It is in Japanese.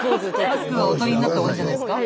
マスクはお取りになった方がいいんじゃないですか？